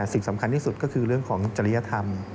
สิ่งสำคัญที่สุดก็คือเรื่องของจริยธรรม